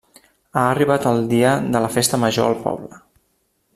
Ha arribat el dia de Festa Major al poble.